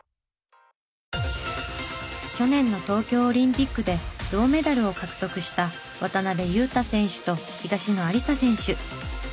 去年の東京オリンピックで銅メダルを獲得した渡辺勇大選手と東野有紗選手。